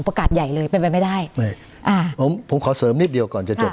ใหญ่เลยเป็นไปไม่ได้ไม่อ่าผมผมขอเสริมนิดเดียวก่อนจะจบ